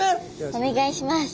お願いします。